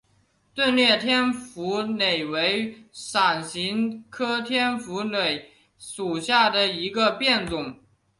钝裂天胡荽为伞形科天胡荽属下的一个变种。